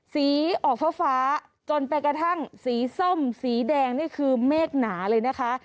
สีออกฟ้าจนไปกระทั่งสีส้มสีแดงนี่คือเมฆหนาเลยนะคะ